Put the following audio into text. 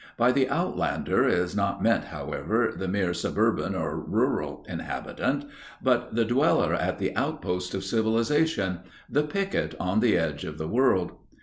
By the outlander is not meant, however, the mere suburban or rural inhabitant, but the dweller at the outpost of civilization, the picket on the edge of the world.